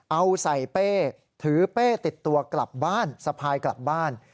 เอาใส่เป้ถือเป้ติดตัวกลับบ้านสะพายกลับบ้าน